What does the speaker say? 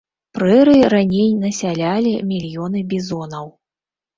Прэрыі раней насялялі мільёны бізонаў.